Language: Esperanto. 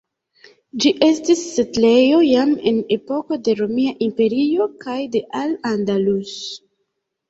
Ĝi estis setlejo jam en epoko de Romia Imperio kaj de Al-Andalus.